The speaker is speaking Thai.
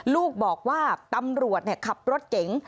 ลูกบอกว่าตำรวจขับรถเก๋ง